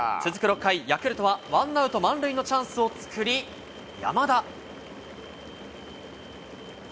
続く６回、ヤクルトは１アウト満塁のチャンスを作り、山田。